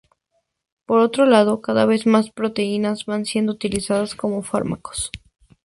Por otro lado, cada vez más proteínas van siendo utilizadas como fármacos.